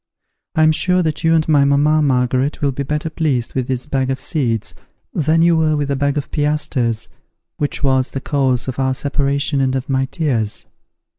I am sure that you and my mamma Margaret will be better pleased with this bag of seeds, than you were with the bag of piastres, which was the cause of our separation and of my tears.